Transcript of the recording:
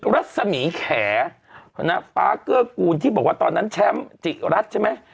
รัศมีแขฟ้าเกื้อกูลที่บอกว่าตอนนั้นแชมป์จิรัตน์ใช่ไหม